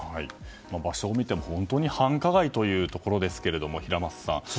場所を見ても本当に繁華街というところですけども平松さん